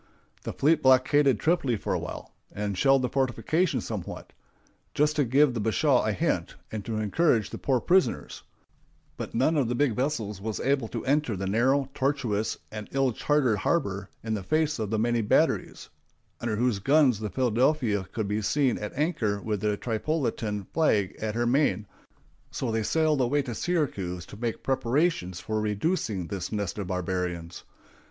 The fleet blockaded Tripoli for a while, and shelled the fortifications somewhat, just to give the bashaw a hint, and to encourage the poor prisoners; but none of the big vessels was able to enter the narrow, tortuous, and ill charted harbor in the face of the many batteries, under whose guns the Philadelphia could be seen at anchor with the Tripolitan flag at her main, so they sailed away to Syracuse to make preparations for reducing this nest of barbarians.